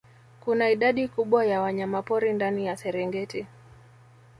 Kuna idadi kubwa ya wanyamapori ndani ya Serengeti